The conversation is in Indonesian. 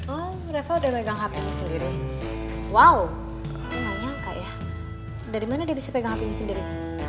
oh reva udah pegang hpnya sendiri wow gak nyangka ya dari mana dia bisa pegang hpnya sendiri